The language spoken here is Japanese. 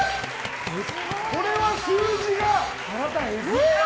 これは数字が。